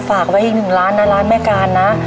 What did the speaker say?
ฝากไว้อีกหนึ่งล้านนะร้านแม่การนะ